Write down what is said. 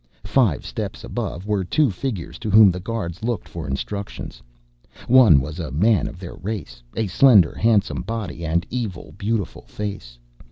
Five steps above were two figures to whom the guards looked for instructions. One was a man of their race, of slender, handsome body and evil, beautiful face.